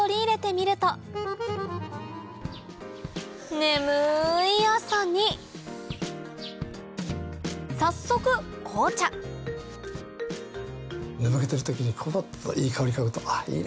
眠い朝に早速紅茶寝ぼけてる時にコロっといい香り嗅ぐと「あっいいな」。